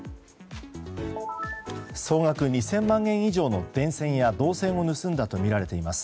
総額２０００万円以上の電線や銅線を盗んだとみられています。